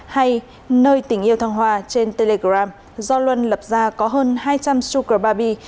hay nơi tình yêu thăng hòa trên telegram do luân lập ra có hơn hai trăm linh sugar baby